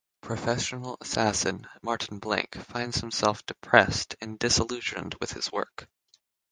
Professional assassin Martin Blank finds himself depressed and disillusioned with his work.